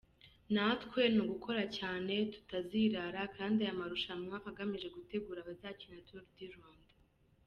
Natwe ni ugukora cyane tutazirara kandi aya marushanwa agamije gutegura abazakina Tour du Rwanda.